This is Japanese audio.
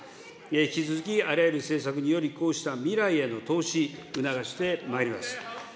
引き続きあらゆる政策により、こうした未来への投資、促してまいります。